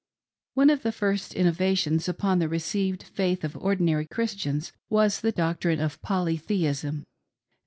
One of the first innovations upon the received faith of ordinary Christians was the doctrine of Polytheism.